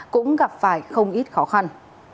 cũng gặp phải không ít khó khăn